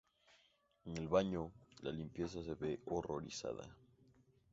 En el baño, la limpieza se ve horrorizada.